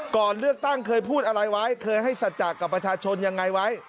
ก่อนเลือกตั้งเคยพูดอะไรไว้เคยให้สัจจะกับประชาชนยังไงไว้